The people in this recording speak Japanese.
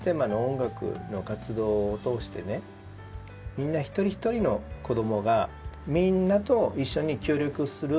みんな一人一人の子どもがみんなと一緒に協力する。